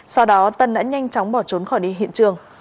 sau đó tân đã nhanh chóng bỏ trốn khỏi đi hiện trường